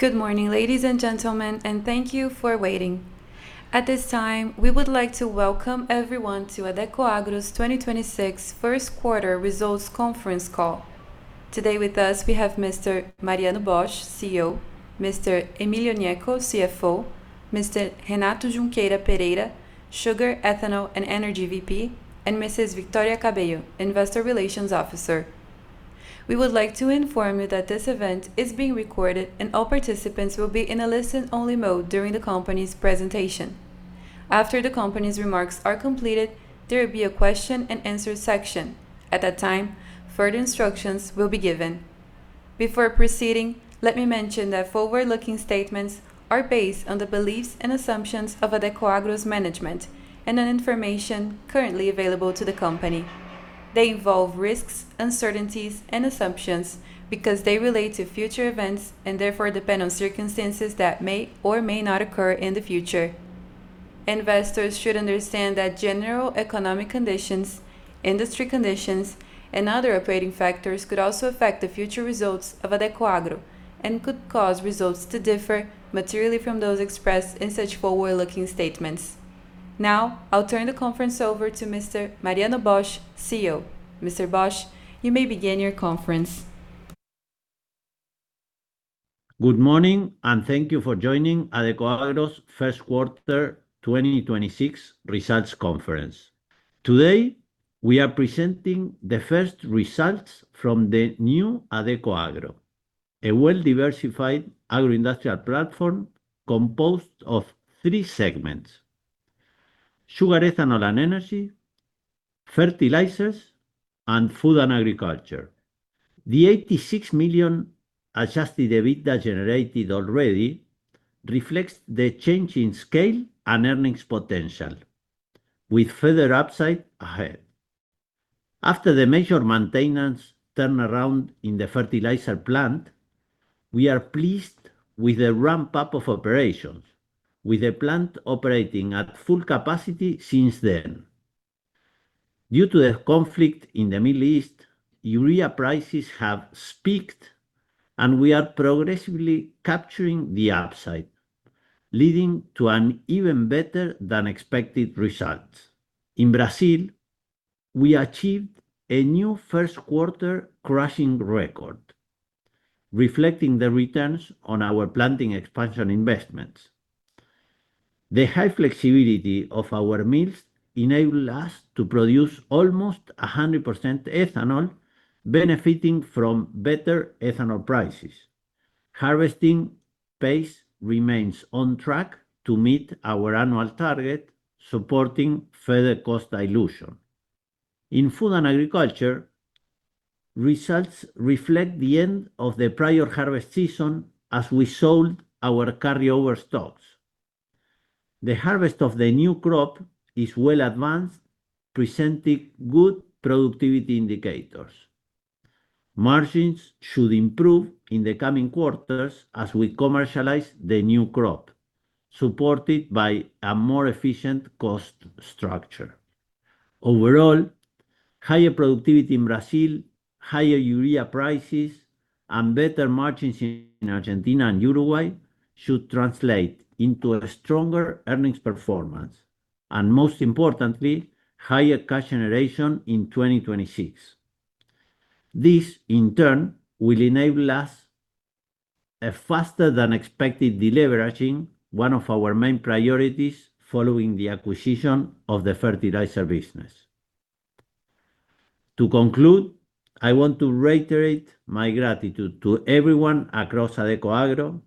Good morning, ladies and gentlemen, and thank you for waiting. At this time, we would like to welcome everyone to Adecoagro's 2026 first quarter results conference call. Today with us we have Mr. Mariano Bosch, CEO; Mr. Emilio Gnecco, CFO; Mr. Renato Junqueira Pereira, Sugar, Ethanol & Energy VP; and Mrs. Victoria Cabello, Investor Relations Officer. We would like to inform you that this event is being recorded and all participants will be in a listen-only mode during the company's presentation. After the company's remarks are completed, there will be a question and answer section. At that time, further instructions will be given. Before proceeding, let me mention that forward-looking statements are based on the beliefs and assumptions of Adecoagro's management and on information currently available to the company. They involve risks, uncertainties and assumptions because they relate to future events and therefore depend on circumstances that may or may not occur in the future. Investors should understand that general economic conditions, industry conditions, and other operating factors could also affect the future results of Adecoagro and could cause results to differ materially from those expressed in such forward-looking statements. Now, I'll turn the conference over to Mr. Mariano Bosch, CEO. Mr. Bosch, you may begin your conference. Good morning, and thank you for joining Adecoagro's first quarter 2026 results conference. Today, we are presenting the first results from the new Adecoagro, a well-diversified agro-industrial platform composed of three segments: Sugar, Ethanol & Energy; Fertilizers; and Food & Agriculture. The $86 million adjusted EBITDA generated already reflects the change in scale and earnings potential, with further upside ahead. After the major maintenance turnaround in the fertilizer plant, we are pleased with the ramp-up of operations, with the plant operating at full capacity since then. Due to the conflict in the Middle East, urea prices have spiked and we are progressively capturing the upside, leading to an even better than expected result. In Brazil, we achieved a new first quarter crushing record, reflecting the returns on our planting expansion investments. The high flexibility of our mills enable us to produce almost 100% ethanol, benefiting from better ethanol prices. Harvesting pace remains on track to meet our annual target, supporting further cost dilution. In Food & Agriculture, results reflect the end of the prior harvest season as we sold our carryover stocks. The harvest of the new crop is well advanced, presenting good productivity indicators. Margins should improve in the coming quarters as we commercialize the new crop, supported by a more efficient cost structure. Overall, higher productivity in Brazil, higher urea prices, and better margins in Argentina and Uruguay should translate into a stronger earnings performance and, most importantly, higher cash generation in 2026. This, in turn, will enable us a faster than expected deleveraging, one of our main priorities following the acquisition of the Fertilizer business. To conclude, I want to reiterate my gratitude to everyone across Adecoagro.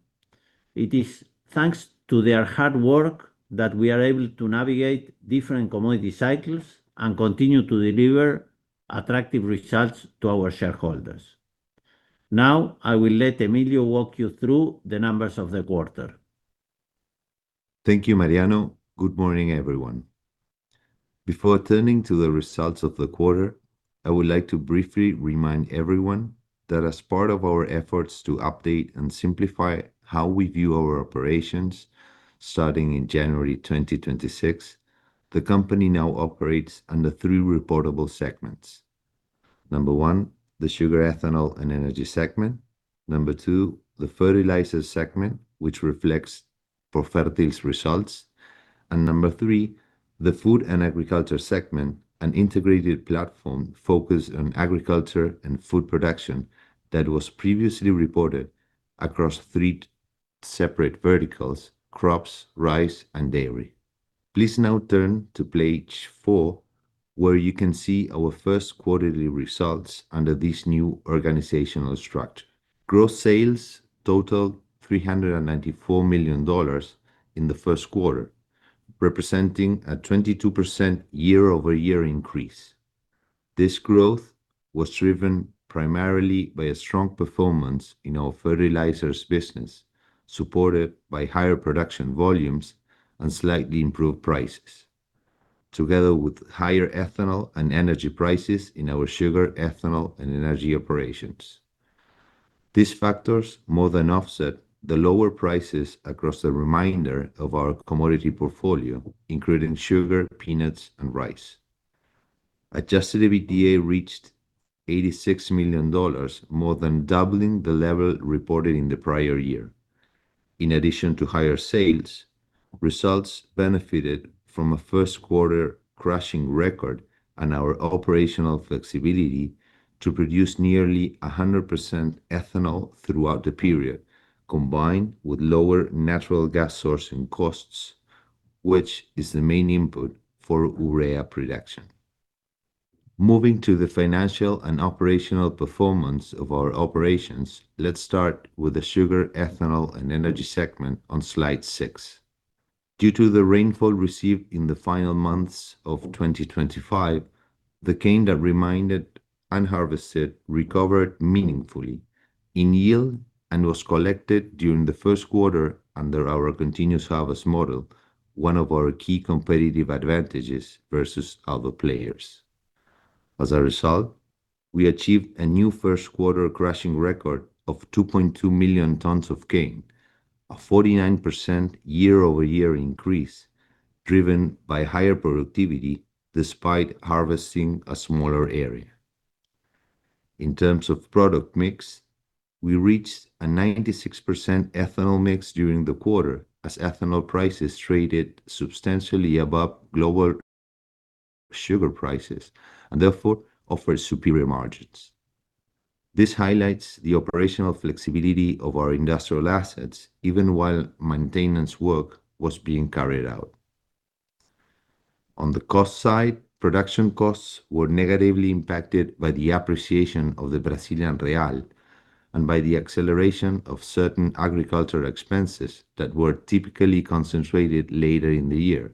It is thanks to their hard work that we are able to navigate different commodity cycles and continue to deliver attractive results to our shareholders. Now, I will let Emilio walk you through the numbers of the quarter. Thank you, Mariano. Good morning, everyone. Before turning to the results of the quarter, I would like to briefly remind everyone that as part of our efforts to update and simplify how we view our operations starting in January 2026, the company now operates under three reportable segments. Number one, the Sugar, Ethanol & Energy segment. Number two, the Fertilizers segment, which reflects Profertil's results. Number three, the Food & Agriculture segment, an integrated platform focused on agriculture and food production that was previously reported across three separate verticals: crops, rice, and dairy. Please now turn to page four, where you can see our first quarterly results under this new organizational structure. Gross sales totaled $394 million in the first quarter, representing a 22% year-over-year increase. This growth was driven primarily by a strong performance in our Fertilizers business, supported by higher production volumes and slightly improved prices, together with higher Ethanol and Energy prices in our Sugar, Ethanol & Energy operations. These factors more than offset the lower prices across the remainder of our commodity portfolio, including sugar, peanuts and rice. Adjusted EBITDA reached $86 million, more than doubling the level reported in the prior year. In addition to higher sales, results benefited from a first quarter crushing record and our operational flexibility to produce nearly 100% ethanol throughout the period, combined with lower natural gas sourcing costs, which is the main input for urea production. Moving to the financial and operational performance of our operations, let's start with the Sugar, Ethanol, & Energy segment on slide six. Due to the rainfall received in the final months of 2025, the cane that remained unharvested recovered meaningfully in yield and was collected during the first quarter under our continuous harvest model, one of our key competitive advantages versus other players. As a result, we achieved a new first quarter crushing record of 2.2 million tons of cane, a 49% year-over-year increase driven by higher productivity despite harvesting a smaller area. In terms of product mix, we reached a 96% ethanol mix during the quarter as ethanol prices traded substantially above global sugar prices and therefore offered superior margins. This highlights the operational flexibility of our industrial assets, even while maintenance work was being carried out. On the cost side, production costs were negatively impacted by the appreciation of the Brazilian real and by the acceleration of certain agricultural expenses that were typically concentrated later in the year,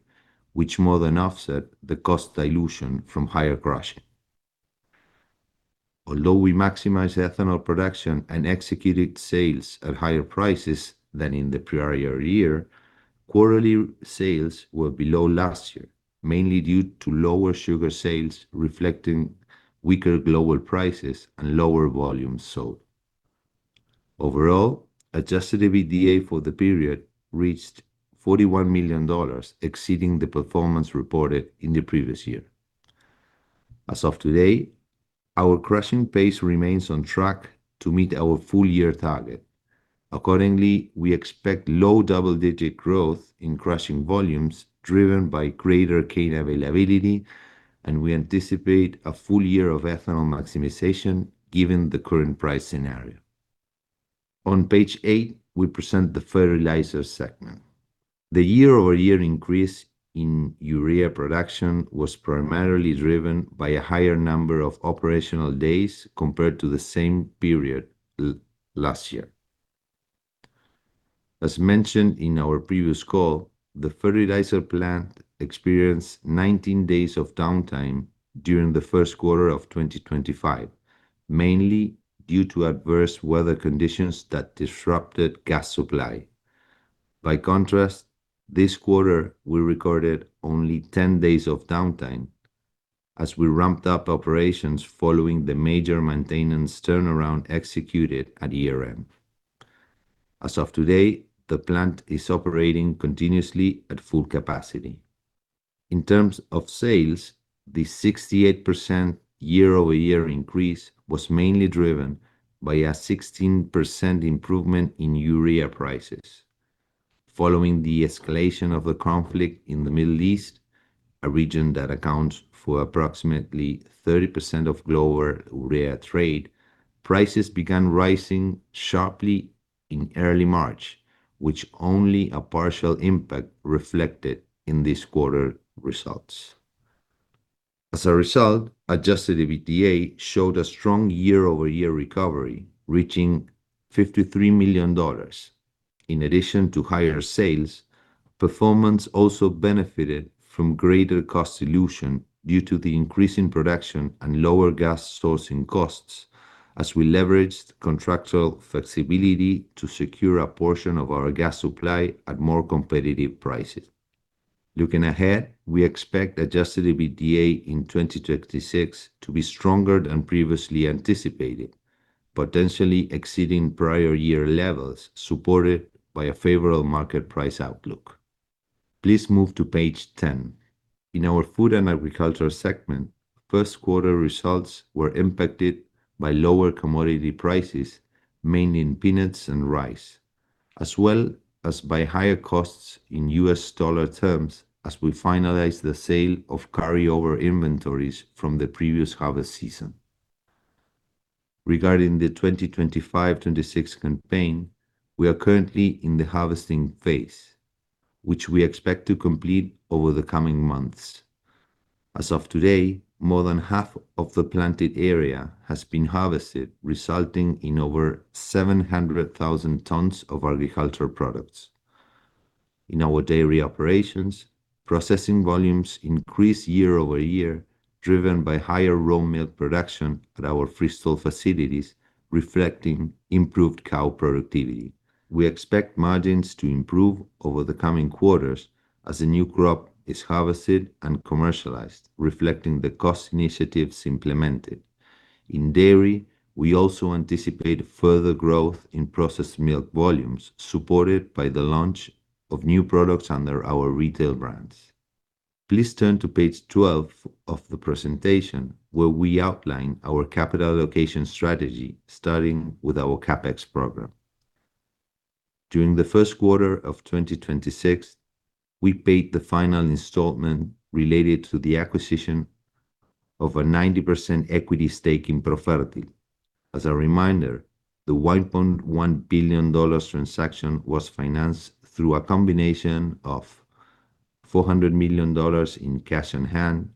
which more than offset the cost dilution from higher crushing. Although we maximized ethanol production and executed sales at higher prices than in the prior year, quarterly sales were below last year, mainly due to lower sugar sales reflecting weaker global prices and lower volumes sold. Overall, adjusted EBITDA for the period reached $41 million, exceeding the performance reported in the previous year. As of today, our crushing pace remains on track to meet our full year target. Accordingly, we expect low double-digit growth in crushing volumes driven by greater cane availability, and we anticipate a full year of ethanol maximization given the current price scenario. On page eight, we present the Fertilizer segment. The year-over-year increase in urea production was primarily driven by a higher number of operational days compared to the same period last year. As mentioned in our previous call, the fertilizer plant experienced 19 days of downtime during the first quarter of 2025, mainly due to adverse weather conditions that disrupted gas supply. This quarter, we recorded only 10 days of downtime as we ramped up operations following the major maintenance turnaround executed at year-end. As of today, the plant is operating continuously at full capacity. In terms of sales, the 68% year-over-year increase was mainly driven by a 16% improvement in urea prices. Following the escalation of the conflict in the Middle East, a region that accounts for approximately 30% of global urea trade, prices began rising sharply in early March, which only a partial impact reflected in this quarter results. As a result, adjusted EBITDA showed a strong year-over-year recovery, reaching $53 million. In addition to higher sales, performance also benefited from greater cost dilution due to the increase in production and lower gas sourcing costs as we leveraged contractual flexibility to secure a portion of our gas supply at more competitive prices. Looking ahead, we expect adjusted EBITDA in 2026 to be stronger than previously anticipated, potentially exceeding prior year levels supported by a favorable market price outlook. Please move to page 10. In our Food & Agriculture segment, first quarter results were impacted by lower commodity prices, mainly in peanuts and rice, as well as by higher costs in US dollar terms as we finalized the sale of carry-over inventories from the previous harvest season. Regarding the 2025/2026 campaign, we are currently in the harvesting phase, which we expect to complete over the coming months. As of today, more than half of the planted area has been harvested, resulting in over 700,000 tons of agricultural products. In our dairy operations, processing volumes increased year-over-year, driven by higher raw milk production at our free-stall facilities, reflecting improved cow productivity. We expect margins to improve over the coming quarters as the new crop is harvested and commercialized, reflecting the cost initiatives implemented. In dairy, we also anticipate further growth in processed milk volumes supported by the launch of new products under our retail brands. Please turn to page 12 of the presentation, where we outline our capital allocation strategy, starting with our CapEx program. During the first quarter of 2026, we paid the final installment related to the acquisition of a 90% equity stake in Profertil. As a reminder, the $1.1 billion transaction was financed through a combination of $400 million in cash on hand,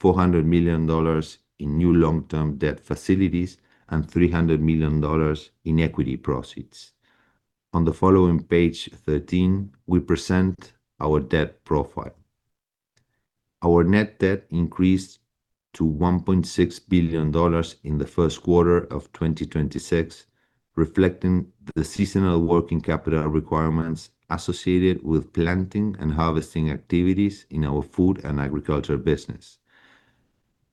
$400 million in new long-term debt facilities, and $300 million in equity proceeds. On the following page 13, we present our debt profile. Our net debt increased to $1.6 billion in the first quarter of 2026, reflecting the seasonal working capital requirements associated with planting and harvesting activities in our Food & Agriculture business.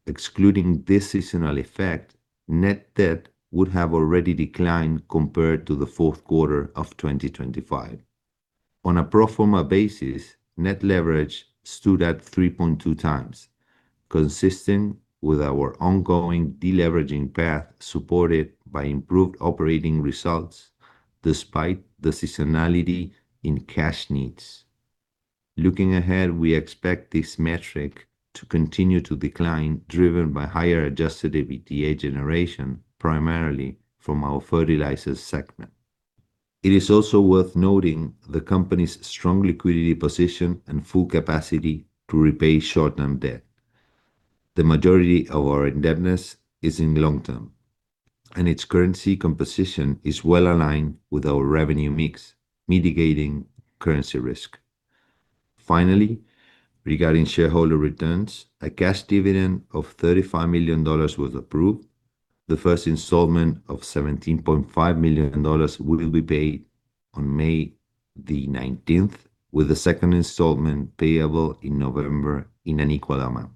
Excluding this seasonal effect, net debt would have already declined compared to the fourth quarter of 2025. On a pro forma basis, net leverage stood at 3.2x, consistent with our ongoing deleveraging path supported by improved operating results despite the seasonality in cash needs. Looking ahead, we expect this metric to continue to decline, driven by higher adjusted EBITDA generation, primarily from our Fertilizers segment. It is also worth noting the company's strong liquidity position and full capacity to repay short-term debt. The majority of our indebtedness is in long term, and its currency composition is well aligned with our revenue mix, mitigating currency risk. Finally, regarding shareholder returns, a cash dividend of $35 million was approved. The first installment of $17.5 million will be paid on May the 19th, with the second installment payable in November in an equal amount.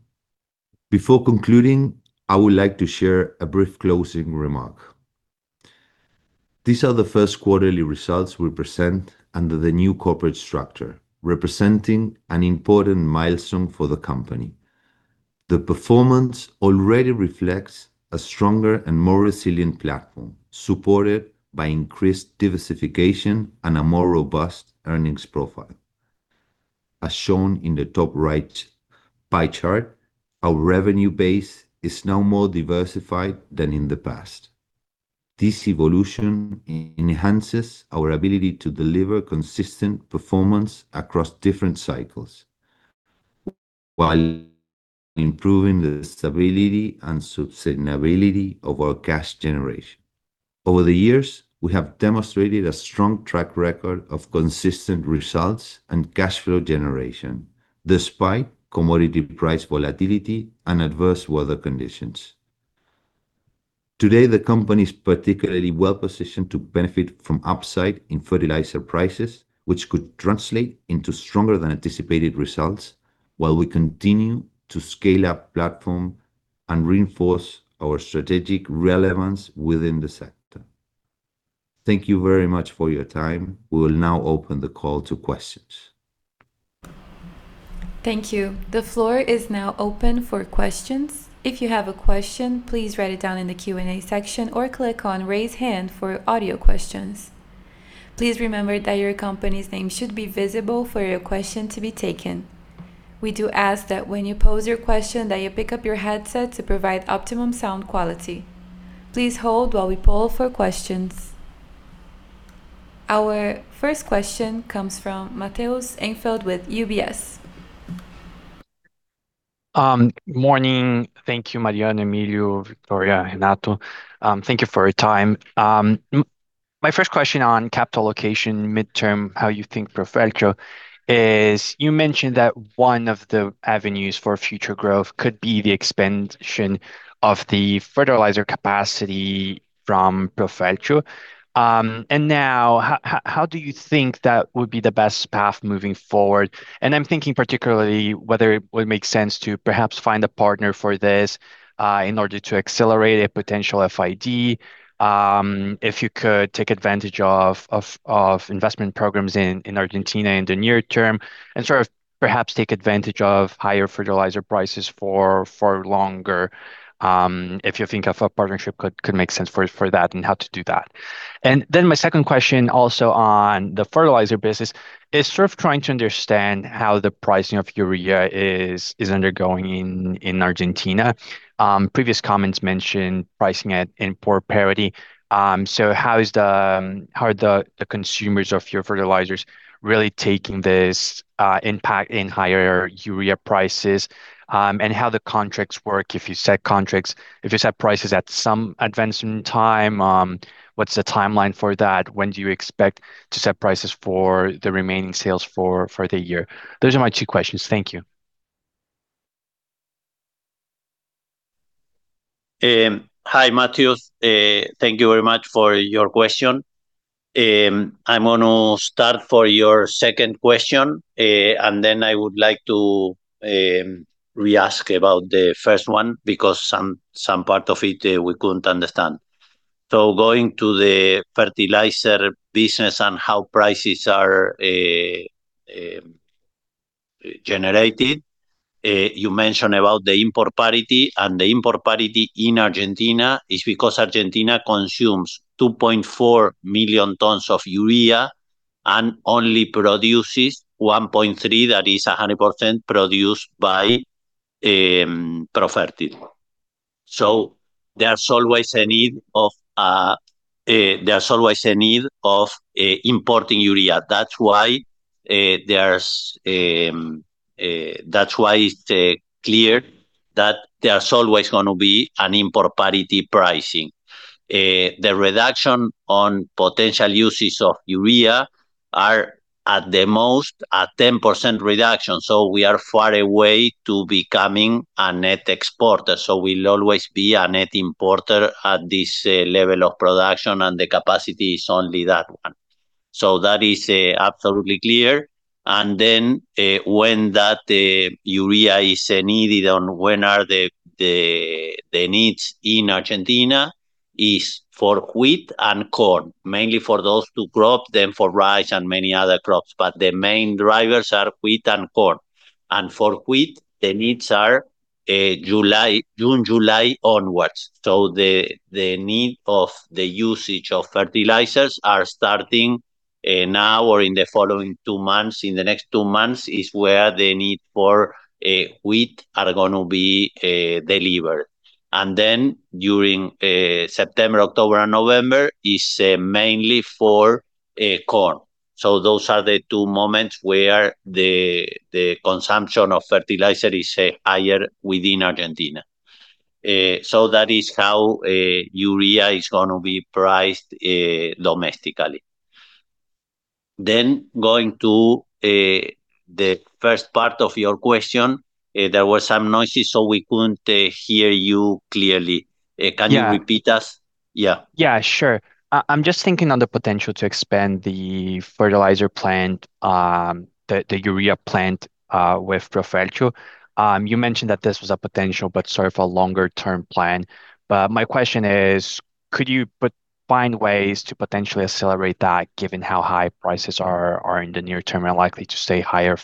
Before concluding, I would like to share a brief closing remark. These are the first quarterly results we present under the new corporate structure, representing an important milestone for the company. The performance already reflects a stronger and more resilient platform, supported by increased diversification and a more robust earnings profile. As shown in the top right pie chart, our revenue base is now more diversified than in the past. This evolution enhances our ability to deliver consistent performance across different cycles, while improving the stability and sustainability of our cash generation. Over the years, we have demonstrated a strong track record of consistent results and cash flow generation, despite commodity price volatility and adverse weather conditions. Today, the company is particularly well-positioned to benefit from upside in fertilizer prices, which could translate into stronger than anticipated results, while we continue to scale up platform and reinforce our strategic relevance within the sector. Thank you very much for your time. We will now open the call to questions. Thank you. The floor is now open for questions. If you have a question, please write it down in the Q and A section or click on Raise Hand for audio questions. Please remember that your company's name should be visible for your question to be taken. We do ask that when you pose your question, that you pick up your headset to provide optimum sound quality. Please hold while we poll for questions. Our first question comes from Matheus Enfeldt with UBS. Morning. Thank you, Mariano, Emilio, Victoria, Renato. Thank you for your time. My first question on capital allocation midterm, how you think Profertil is, you mentioned that one of the avenues for future growth could be the expansion of the fertilizer capacity from Profertil. Now, how do you think that would be the best path moving forward? I'm thinking particularly whether it would make sense to perhaps find a partner for this in order to accelerate a potential FID. If you could take advantage of investment programs in Argentina in the near term and sort of perhaps take advantage of higher fertilizer prices for longer, if you think a partnership could make sense for that and how to do that. My second question also on the Fertilizer business is sort of trying to understand how the pricing of urea is undergoing in Argentina. Previous comments mentioned pricing at import parity. How are the consumers of your fertilizers really taking this impact in higher urea prices, and how the contracts work, if you set prices at some advanced in time, what's the timeline for that? When do you expect to set prices for the remaining sales for the year? Those are my two questions. Thank you. Hi, Matheus. Thank you very much for your question. I'm gonna start for your second question, then I would like to re-ask about the first one because some part of it, we couldn't understand. Going to the Fertilizer business and how prices are generated. You mentioned about the import parity, and the import parity in Argentina is because Argentina consumes 2.4 million tons of urea and only produces 1.3 million tons, that is 100% produced by Profertil. There's always a need of importing urea. That's why it's clear that there's always gonna be an import parity pricing. The reduction on potential uses of urea are at the most a 10% reduction, we are far away to becoming a net exporter. We'll always be a net importer at this level of production, and the capacity is only that one. That is absolutely clear. When that urea is needed and when are the needs in Argentina is for wheat and corn, mainly for those two crops, then for rice and many other crops. The main drivers are wheat and corn. For wheat, the needs are July, June July onwards. The need of the usage of fertilizers are starting now or in the following two months. In the next two months is where the need for wheat are gonna be delivered. During September, October and November is mainly for corn. Those are the two moments where the consumption of fertilizer is higher within Argentina. That is how urea is gonna be priced domestically. Going to the first part of your question, there were some noises, so we couldn't hear you clearly. Yeah can you repeat that? Yeah. Yeah, sure. I'm just thinking on the potential to expand the fertilizer plant, the urea plant with Profertil. You mentioned that this was a potential but sort of a longer term plan. My question is could you find ways to potentially accelerate that given how high prices are in the near term and likely to stay higher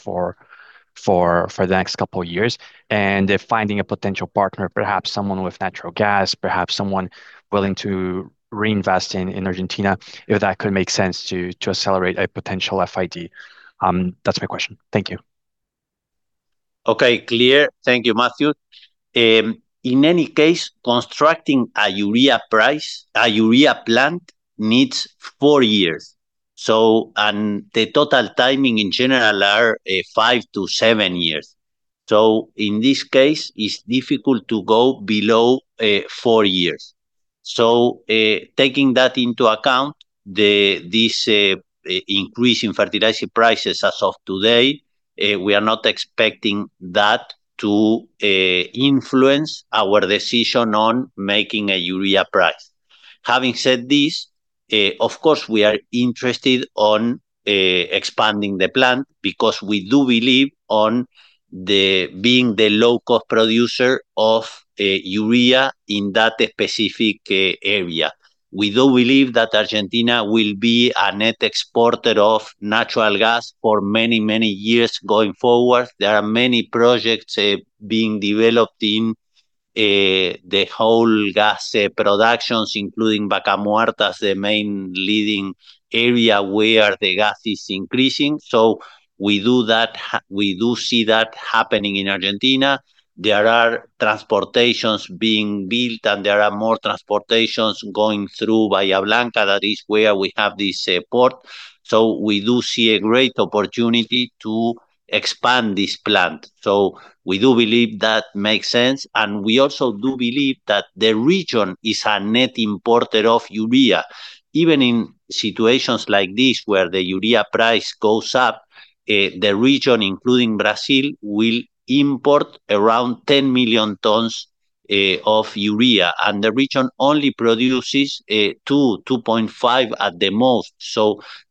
for the next couple years? If finding a potential partner, perhaps someone with natural gas, perhaps someone willing to reinvest in Argentina, if that could make sense to accelerate a potential FID? That's my question. Thank you. Okay. Clear. Thank you, Matheus. In any case, constructing a urea plant needs four years. The total timing in general are five-seven years. In this case, it's difficult to go below four years. Taking that into account, the increase in fertilizer prices as of today, we are not expecting that to influence our decision on making a urea plant. Having said this, of course, we are interested on expanding the plant because we do believe on the, being the low-cost producer of urea in that specific area. We do believe that Argentina will be a net exporter of natural gas for many, many years going forward. There are many projects being developed in the whole gas productions, including Vaca Muerta is the main leading area where the gas is increasing. We do see that happening in Argentina. There are transportations being built and there are more transportations going through Bahía Blanca. That is where we have this port. We do see a great opportunity to expand this plant, so we do believe that makes sense. We also do believe that the region is a net importer of urea. Even in situations like this where the urea price goes up, the region, including Brazil, will import around 10 million tons of urea, and the region only produces 2.5 million tons at the most.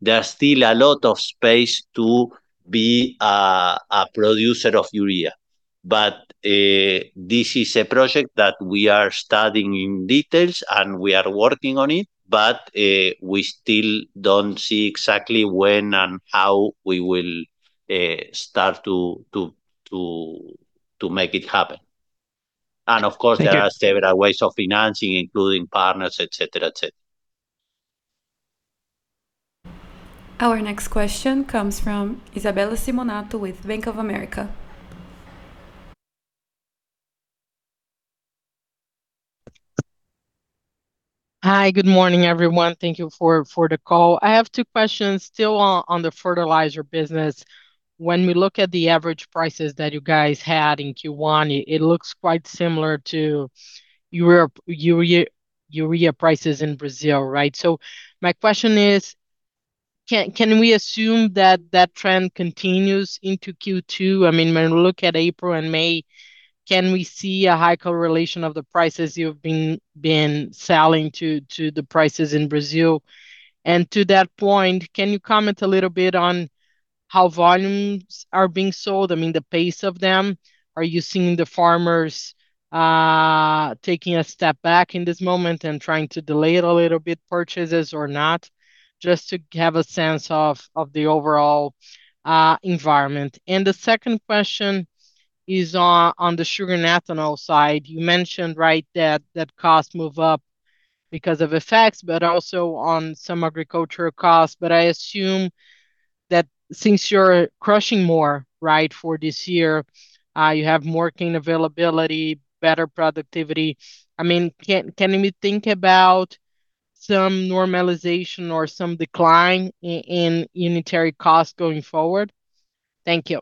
There's still a lot of space to be a producer of urea. This is a project that we are studying in details and we are working on it, but we still don't see exactly when and how we will start to make it happen. Thank you. there are several ways of financing, including partners, et cetera, et cetera. Our next question comes from Isabella Simonato with Bank of America. Hi. Good morning, everyone. Thank you for the call. I have two questions still on the Fertilizer business. When we look at the average prices that you guys had in Q1, it looks quite similar to Europe, urea prices in Brazil, right? My question is can we assume that that trend continues into Q2? I mean, when we look at April and May, can we see a high correlation of the prices you've been selling to the prices in Brazil? To that point, can you comment a little bit on how volumes are being sold, I mean, the pace of them. Are you seeing the farmers taking a step back in this moment and trying to delay it a little bit, purchases or not? Just to have a sense of the overall environment. The second question is on the Sugar & Ethanol side. You mentioned, right, that costs move up because of effects, but also on some agricultural costs. I assume that since you're crushing more, right, for this year, you have more cane availability, better productivity. I mean, can we think about some normalization or some decline in unitary costs going forward? Thank you.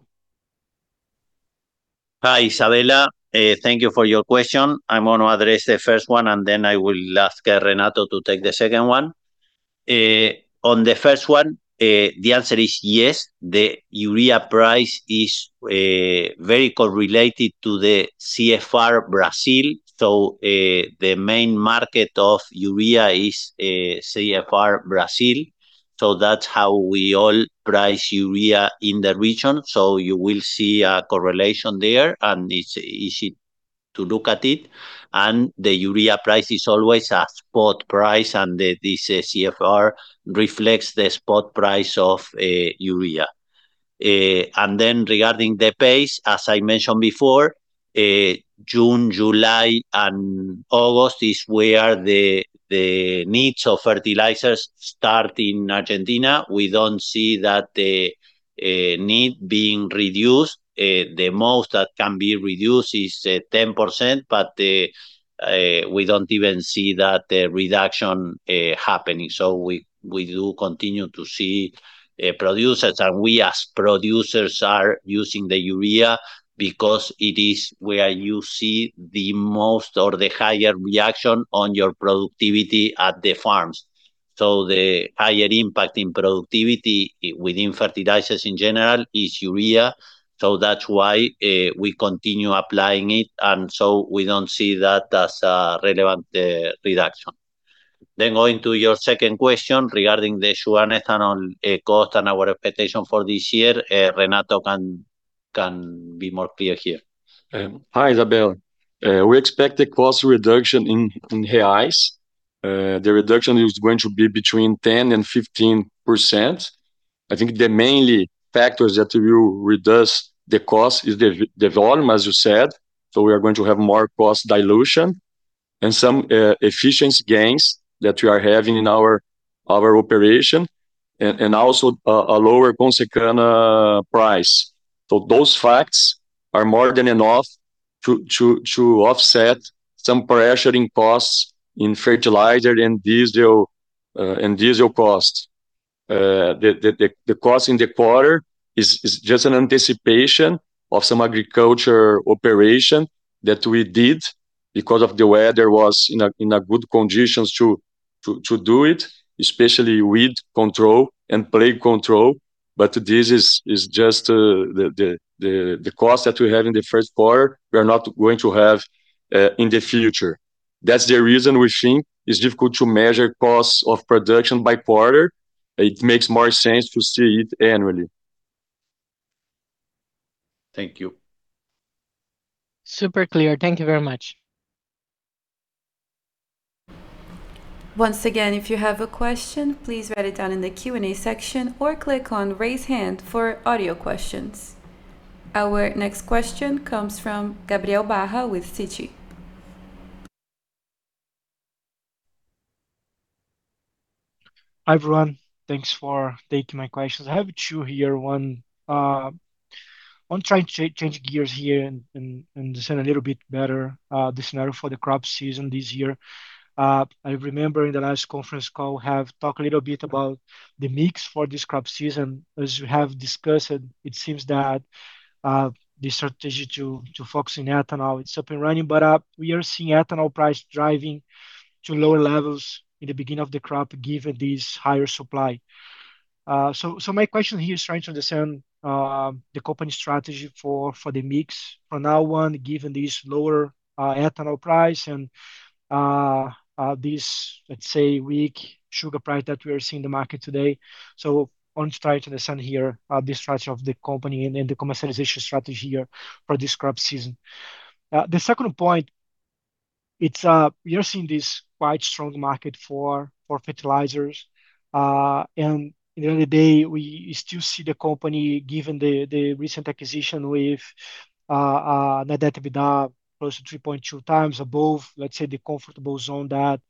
Hi, Isabella. Thank you for your question. I'm going to address the first one, and then I will ask Renato to take the second one. On the first one, the answer is yes. The urea price is very correlated to the CFR Brazil. The main market of urea is CFR Brazil, that's how we all price urea in the region. You will see a correlation there, and it's easy to look at it. The urea price is always a spot price, and this CFR reflects the spot price of urea. Regarding the pace, as I mentioned before, June, July, and August is where the needs of fertilizers start in Argentina. We don't see that need being reduced. The most that can be reduced is 10%, we don't even see that reduction happening. We do continue to see producers, and we as producers are using the urea because it is where you see the most or the higher reaction on your productivity at the farms. The higher impact in productivity within fertilizers in general is urea, that's why we continue applying it, we don't see that as a relevant reduction. Going to your second question regarding the sugar and ethanol cost and our expectation for this year, Renato can be more clear here. Hi, Isabella. We expect a cost reduction in reais. The reduction is going to be between 10% and 15%. I think the mainly factors that will reduce the cost is the volume, as you said, so we are going to have more cost dilution and some efficiency gains that we are having in our operation and also a lower Consecana price. Those facts are more than enough to offset some pressure in costs in fertilizer and diesel costs. The cost in the quarter is just an anticipation of some agriculture operation that we did because of the weather was in a good conditions to do it, especially weed control and plague control, but this is just the cost that we have in the first quarter, we are not going to have in the future. That's the reason we think it's difficult to measure costs of production by quarter. It makes more sense to see it annually. Thank you. Super clear. Thank you very much. Once again, if you have a question, please write it down in the Q and A section or click on raise hand for audio questions. Our next question comes from Gabriel Barra with Citi. Hi, everyone. Thanks for taking my questions. I have two here. One, I want try and change gears here and understand a little bit better the scenario for the crop season this year. I remember in the last conference call we have talked a little bit about the mix for this crop season. As you have discussed, it seems that the strategy to focus on Ethanol, it's up and running. We are seeing ethanol price driving to lower levels in the beginning of the crop given this higher supply. So my question here is trying to understand the company strategy for the mix from now on, given this lower ethanol price and this, let's say, weak sugar price that we are seeing in the market today. I want to try to understand here, the strategy of the company and the commercialization strategy here for this crop season. The second point, it's, we are seeing this quite strong market for fertilizers. And at the end of the day, we still see the company, given the recent acquisition with net debt to EBITDA close to 3.2x above, let's say, the comfortable zone that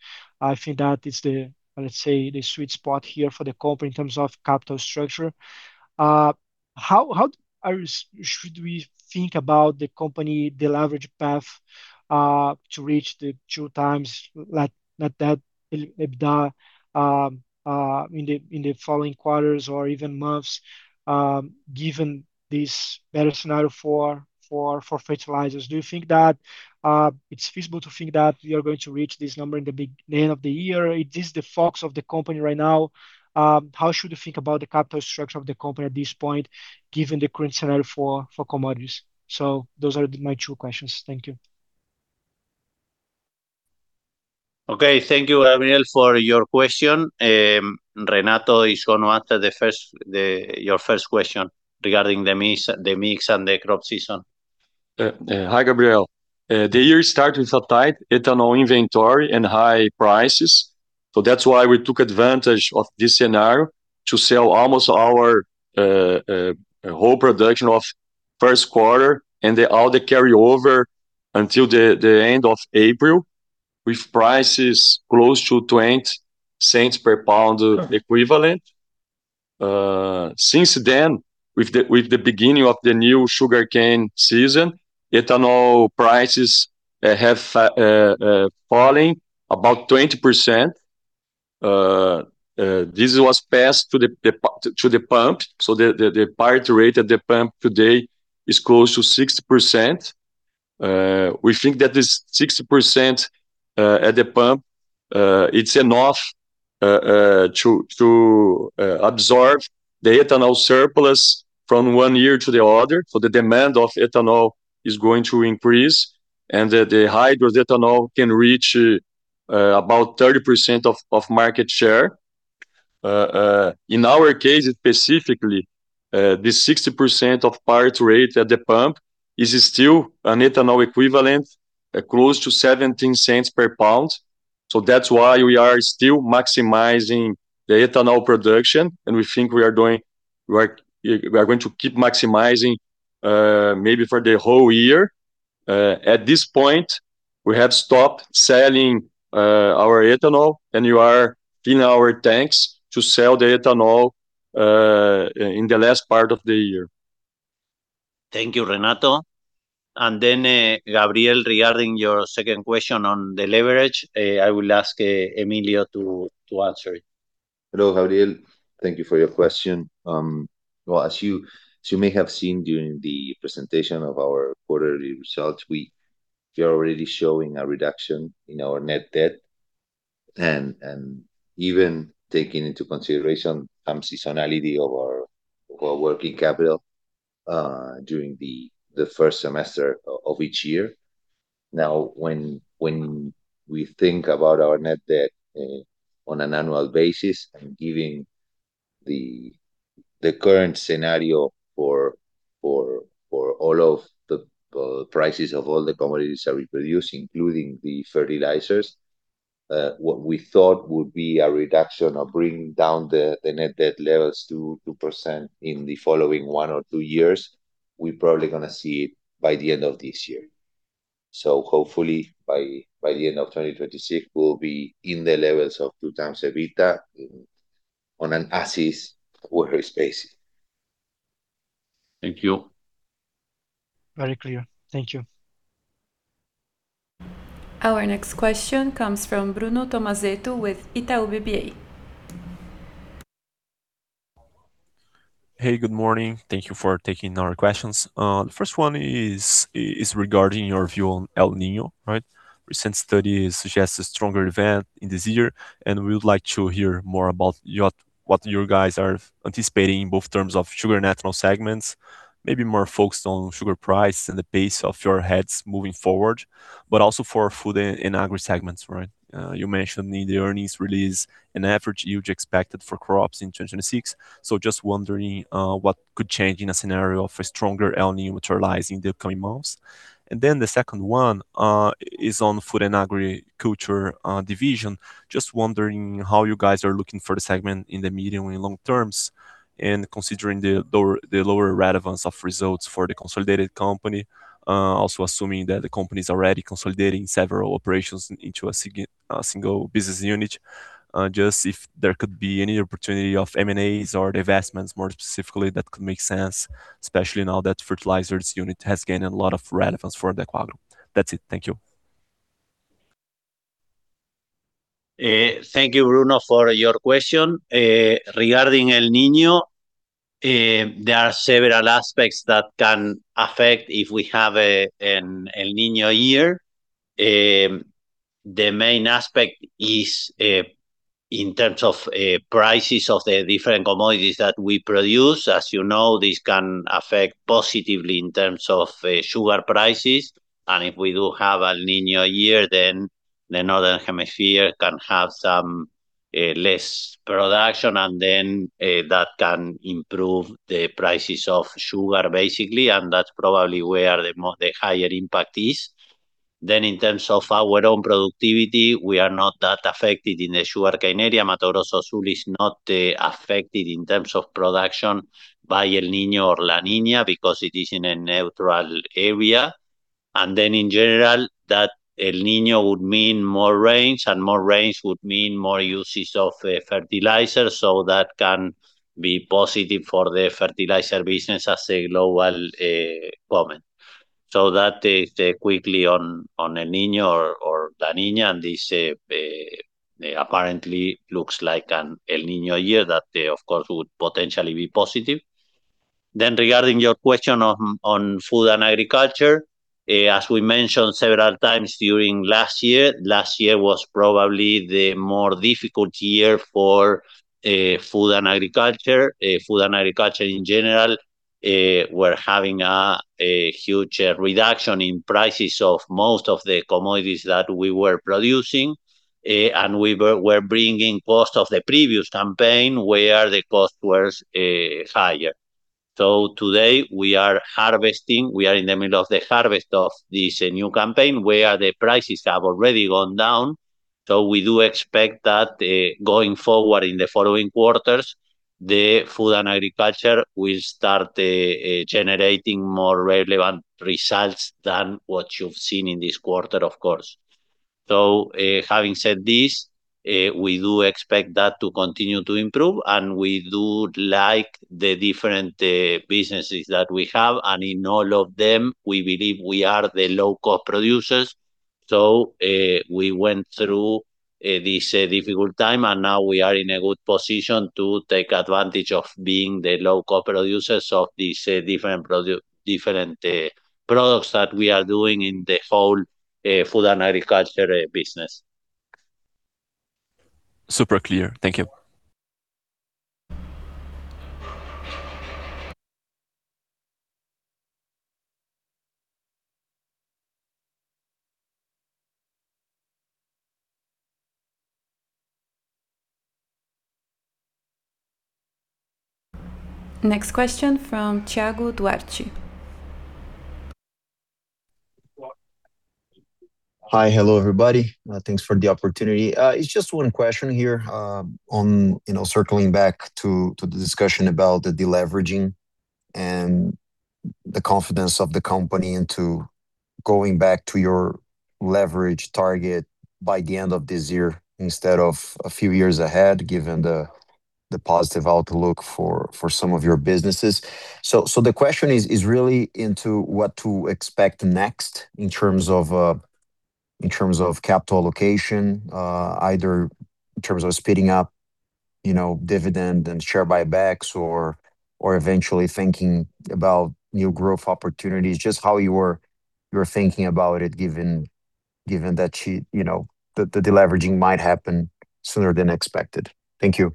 I think that is the, let's say, the sweet spot here for the company in terms of capital structure. How are we should we think about the company, the leverage path, to reach the 2x net debt EBITDA in the following quarters or even months, given this better scenario for fertilizers? Do you think that it's feasible to think that we are going to reach this number in the end of the year? Is this the focus of the company right now? How should we think about the capital structure of the company at this point, given the current scenario for commodities? Those are my two questions. Thank you. Okay. Thank you, Gabriel, for your question. Renato is going to answer your first question regarding the mix and the crop season. Hi, Gabriel. The year start with a tight ethanol inventory and high prices. That's why we took advantage of this scenario to sell almost our whole production of first quarter and all the carryover until the end of April with prices close to $0.20 per pound equivalent. Since then, with the beginning of the new sugarcane season, ethanol prices have fallen about 20%. This was passed to the pump. The parity rate at the pump today is close to 60%. We think that this 60% at the pump, it's enough to absorb the ethanol surplus from one year to the other, for the demand of ethanol is going to increase and the hydrous ethanol can reach about 30% of market share. In our case specifically, the 60% of parity rate at the pump is still an ethanol equivalent close to $0.17 per pound. That's why we are still maximizing the ethanol production and we think we are going to keep maximizing maybe for the whole year. At this point, we have stopped selling our ethanol and we are filling our tanks to sell the ethanol in the last part of the year. Thank you, Renato. Gabriel, regarding your second question on the leverage, I will ask Emilio to answer it. Hello, Gabriel. Thank you for your question. Well, as you may have seen during the presentation of our quarterly results, we are already showing a reduction in our net debt and even taking into consideration some seasonality of our working capital during the first semester of each year. Now, when we think about our net debt on an annual basis and giving the current scenario for all of the prices of all the commodities that we produce, including the fertilizers, what we thought would be a reduction or bringing down the net debt levels to 2% in the following one or two years, we probably gonna see it by the end of this year. Hopefully by the end of 2026, we'll be in the levels of 2x EBITDA on an asset replacement basis. Thank you. Very clear. Thank you. Our next question comes from Bruno Tomazetto with Itaú BBA. Hey, good morning. Thank you for taking our questions. The first one is regarding your view on El Niño, right? Recent study suggests a stronger event in this year, and we would like to hear more about what you guys are anticipating in both terms of Sugar & Ethanol segments. Maybe more focused on sugar price and the pace of your heads moving forward, but also for Food & Agri segments, right? You mentioned in the earnings release an average yield expected for crops in 2026. Just wondering what could change in a scenario of a stronger El Niño which arises in the upcoming months. The second one is on Food & Agriculture division. Just wondering how you guys are looking for the segment in the medium and long terms and considering the lower relevance of results for the consolidated company. Also assuming that the company's already consolidating several operations into a single business unit, just if there could be any opportunity of M&As or divestments more specifically that could make sense, especially now that fertilizers unit has gained a lot of relevance for Adecoagro. That's it. Thank you. Thank you, Bruno, for your question. Regarding El Niño, there are several aspects that can affect if we have an El Niño year. The main aspect is in terms of prices of the different commodities that we produce. As you know, this can affect positively in terms of sugar prices. If we do have El Niño year, the northern hemisphere can have some less production and that can improve the prices of sugar, basically. That's probably where the higher impact is. In terms of our own productivity, we are not that affected in the sugarcane area. Mato Grosso do Sul is not affected in terms of production by El Niño or La Niña because it is in a neutral area. In general, that El Niño would mean more rains, and more rains would mean more uses of fertilizer. That can be positive for the Fertilizer business as a global comment. That is quickly on El Niño or La Niña, and this apparently looks like an El Niño year that, of course, would potentially be positive. Regarding your question on Food & Agriculture, as we mentioned several times during last year, last year was probably the more difficult year for Food & Agriculture. Food & Agriculture in general, we're having a huge reduction in prices of most of the commodities that we were producing. We're bringing cost of the previous campaign where the cost was higher. Today we are harvesting, we are in the middle of the harvest of this new campaign where the prices have already gone down. We do expect that going forward in the following quarters, the Food & Agriculture will start generating more relevant results than what you've seen in this quarter, of course. Having said this, we do expect that to continue to improve, and we do like the different businesses that we have. In all of them, we believe we are the low-cost producers. We went through this difficult time and now we are in a good position to take advantage of being the low-cost producers of these different products that we are doing in the whole Food & Agriculture business. Super clear. Thank you. Next question from Thiago Duarte. Hi. Hello, everybody. Thanks for the opportunity. It's just one question here, on, you know, circling back to the discussion about the deleveraging and the confidence of the company into going back to your leverage target by the end of this year instead of a few years ahead, given the positive outlook for some of your businesses. The question is really into what to expect next in terms of in terms of capital allocation, either in terms of speeding up, you know, dividend and share buybacks or eventually thinking about new growth opportunities. Just how you're thinking about it given that you know, the deleveraging might happen sooner than expected. Thank you.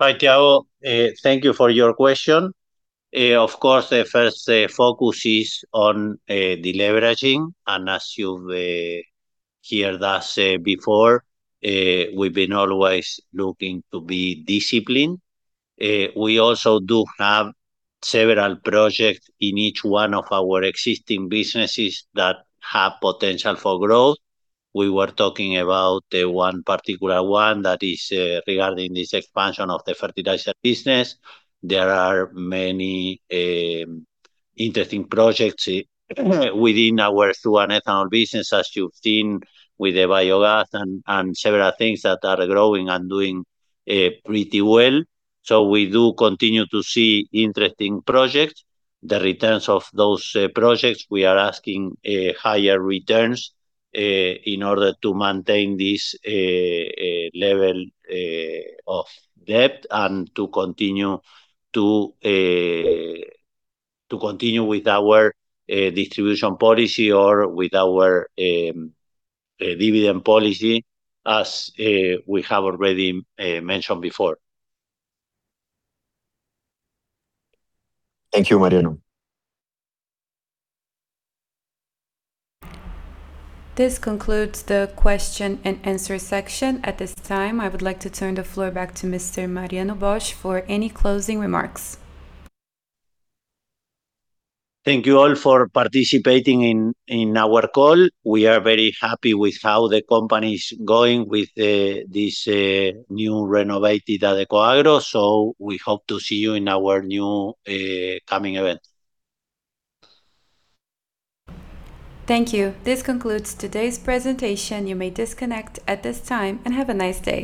Hi, Thiago. Thank you for your question. Of course, the first focus is on deleveraging. As you've heard us before, we've been always looking to be disciplined. We also do have several projects in each one of our existing businesses that have potential for growth. We were talking about the one particular one that is regarding this expansion of the Fertilizer business. There are many interesting projects within our Sugar & Ethanol business, as you've seen with the biogas and several things that are growing and doing pretty well. We do continue to see interesting projects. The returns of those projects, we are asking higher returns in order to maintain this level of debt and to continue with our distribution policy or with our dividend policy as we have already mentioned before. Thank you, Mariano. This concludes the question and answer section. At this time, I would like to turn the floor back to Mr. Mariano Bosch for any closing remarks. Thank you all for participating in our call. We are very happy with how the company's going with this new renovated Adecoagro. We hope to see you in our new coming event. Thank you. This concludes today's presentation. You may disconnect at this time, and have a nice day.